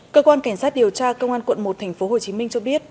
cơ quan cảnh sát điều tra công an quận một tp hcm cho biết